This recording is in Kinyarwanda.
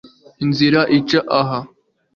inzira ica aha